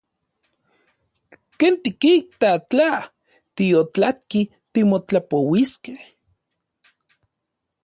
¿Ken tikita tla tiotlatki timotlapouiskej?